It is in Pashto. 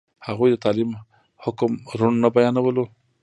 هغوی د تعلیم حکم روڼ نه بیانولو.